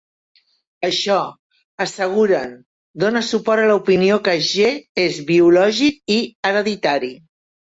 Això, asseguren, dona suport a l'opinió que "g" és biològic i hereditari.